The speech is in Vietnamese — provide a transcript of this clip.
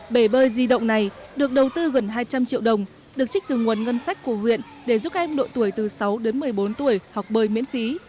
bể bơi di động này được đầu tư gần hai trăm linh triệu đồng được trích từ nguồn ngân sách của huyện để giúp các em độ tuổi từ sáu đến một mươi bốn tuổi học bơi miễn phí